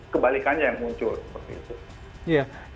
kebalikannya yang muncul